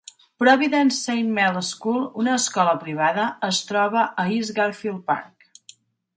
Providence Saint Mel School, una escola privada, es troba a East Garfield Park.